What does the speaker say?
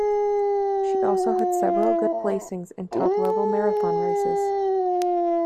She also had several good placings in top level marathon races.